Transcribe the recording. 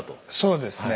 そうですね